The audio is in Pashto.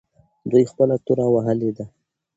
دوی خپله توره وهلې ده.